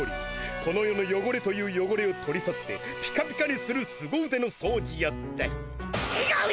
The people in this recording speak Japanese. この世のよごれというよごれを取り去ってピカピカにするすご腕の掃除や。ってちがうよ！